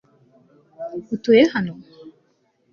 utuye hano